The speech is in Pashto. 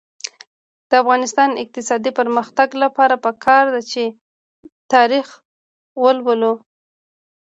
د افغانستان د اقتصادي پرمختګ لپاره پکار ده چې تاریخ ولولو.